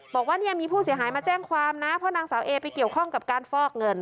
บอกว่าเนี่ยมีผู้เสียหายมาแจ้งความนะเพราะนางสาวเอไปเกี่ยวข้องกับการฟอกเงิน